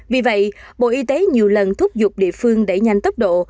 vì vậy bộ y tế nhiều lần thúc giục địa phương đẩy nhanh tốc độ